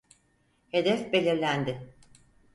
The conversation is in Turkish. Hedef belirlendi.